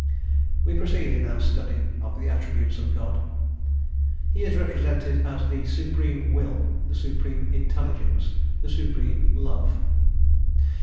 We proceed in our study of the attributes of God. He is represented as the Supreme Will, the Supreme Intelligence, the Supreme Love.